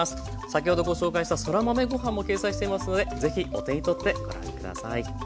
先ほどご紹介したそら豆ご飯も掲載していますのでぜひお手に取ってご覧ください。